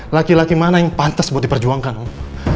laki laki mana yang pantas buat diperjuangkan om